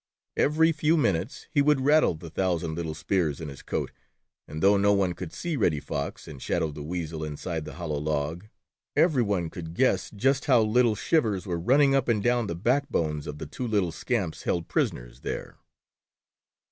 Every few minutes he would rattle the thousand little spears in his coat, and though no one could see Reddy Fox and Shadow the Weasel inside the hollow log, every one could guess just how little shivers were running up and down the backbones of the two little scamps held prisoners there.